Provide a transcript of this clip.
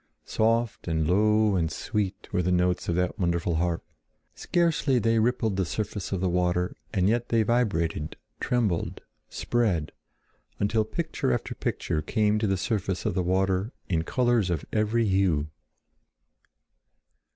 Soft and low and sweet were the notes of that wonderful harp. Scarcely they rippled the surface of the water, and yet they vibrated, trembled, spread, until picture after picture came to the surface of the water in colors of every hue.